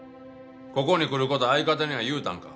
ここに来る事相方には言うたんか？